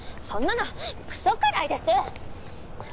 そんなのクソくらえです！